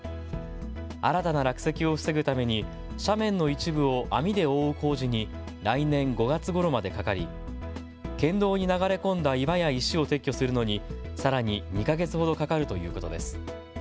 新たな落石を防ぐために斜面の一部を網で覆う工事に来年５月ごろまでかかり県道に流れ込んだ岩や石を撤去するのにさらに２か月ほどかかるということです。